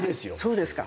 そうですか。